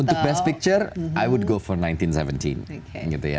untuk best picture aku akan pilih seribu sembilan ratus tujuh belas